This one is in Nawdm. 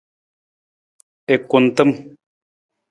I kuntam.